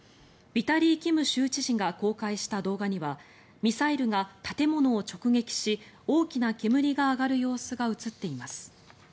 ビタリー・キム州知事が公開した動画にはミサイルが建物を直撃し大きな煙が上がる様子が映っています。